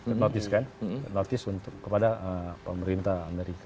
red noise kan red noise kepada pemerintah amerika